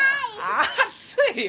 暑いよ。